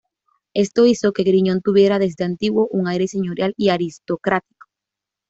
Esto hizo que Griñón tuviera, desde antiguo, un aire señorial y aristocrático.